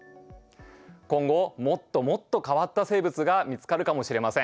今後もっともっと変わった生物が見つかるかもしれません。